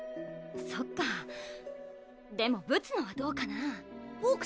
そっかでもぶつのはどうかなボク